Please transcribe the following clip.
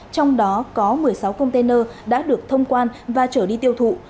trong đó có một mươi sáu container đã được thông quan và trở đi tiêu thụ